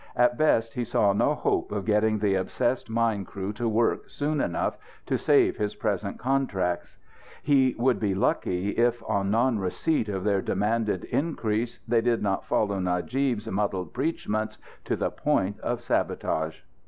At best he saw no hope of getting the obsessed mine crew to work soon enough to save his present contracts. He would be lucky if, on non receipt of their demanded increase, they did not follow Najib's muddled preachments to the point of sabotage.